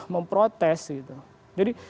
memprotes gitu jadi